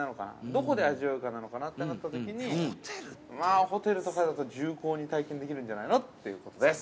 どこで味わうかなのかなってなったときにまあ、ホテルとかだと重厚に体験できるんじゃないのということです。